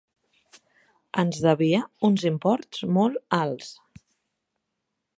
Ens devia uns imports molt alts.